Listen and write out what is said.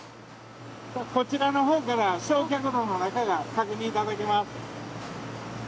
こちらのほうから焼却炉の中が確認いただけます。